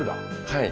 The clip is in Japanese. はい。